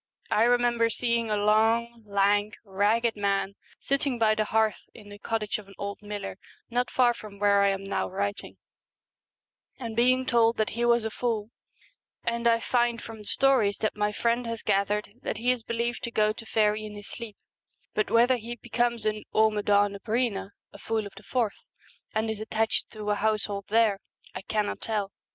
I remember seeing a long, lank, ragged man sitting by the hearth in the cottage of an old miller not far from where I am now writing, and being told that he was a fool ; and I find from the stories that my friend has gathered that he is believed to go to faery in his sleep ; but whether he becomes an Amaddn na Breena, a fool of the forth, 186 and is attached to a household there, I The n t 11 i Queen and cannot tell.